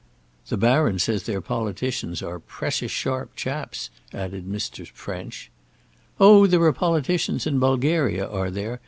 "The Baron says their politicians are precious sharp chaps," added Mr. French. "Oh, there are politicians in Bulgaria, are there?"